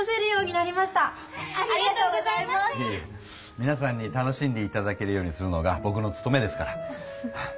みなさんに楽しんでいただけるようにするのがぼくのつとめですから。